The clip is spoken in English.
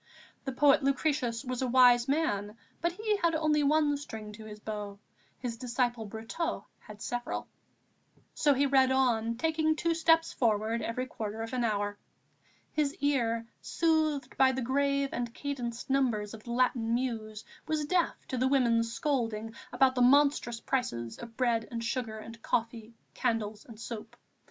The poet Lucretius was a wise man, but he had only one string to his bow; his disciple Brotteaux had several. So he read on, taking two steps forward every quarter of an hour. His ear, soothed by the grave and cadenced numbers of the Latin Muse, was deaf to the women's scolding about the monstrous prices of bread and sugar and coffee, candles and soap.